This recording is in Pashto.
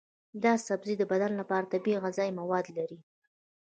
دا سبزی د بدن لپاره طبیعي غذایي مواد لري.